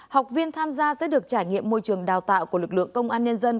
học viên tham gia sẽ được trải nghiệm môi trường đào tạo của lực lượng công an nhân dân